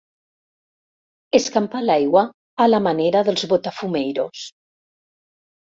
Escampà l'aigua a la manera dels botafumeiros.